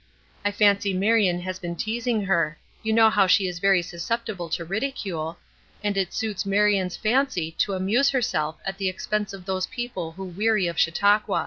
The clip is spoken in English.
I fancy Marion has been teasing her; you know she is very susceptible to ridicule, and it suits Marion's fancy to amuse herself at the expense of those people who weary of Chautauqua.